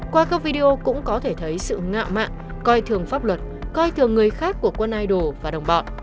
qua các video cũng có thể thấy sự ngạo mạng coi thường pháp luật coi thường người khác của quân idol và đồng bọn